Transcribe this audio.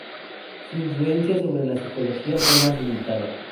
Su influencia sobre la psicología fue más limitada.